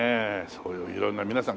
そういう色んな皆さん